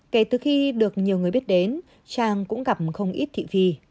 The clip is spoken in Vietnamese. kể từ khi được nhiều người biết đến trang cũng gặp không ít thị vi